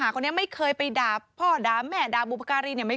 เขาบอกว่าด่าท้อบุปกราศรี